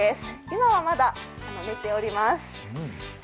今はまだ寝ております。